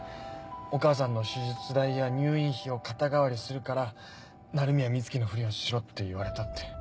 お母さんの手術代や入院費を肩代わりするから鳴宮美月のふりをしろって言われたって。